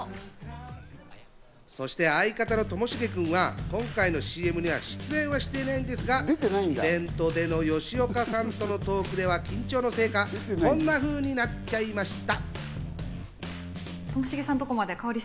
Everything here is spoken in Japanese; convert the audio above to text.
そして相方のともしげ君は今回のＣＭには出演していないんですが、イベントでの吉岡さんとのトークでは緊張のせいか、こんなふうになっちゃいました。